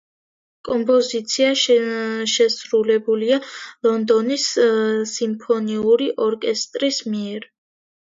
კომპოზიცია შესრულებულია ლონდონის სიმფონიური ორკესტრის მიერ.